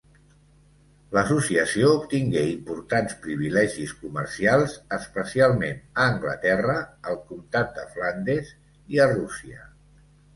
L'associació obtingué importants privilegis comercials, especialment a Anglaterra, al comtat de Flandes i a Rússia.